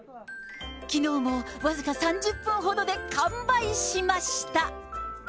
きのうも僅か３０分ほどで完売しました。